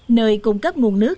nơi cung cấp nguồn nước